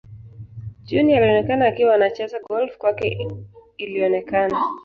Jioni alionekana akiwa anacheza golf kwake ilionekana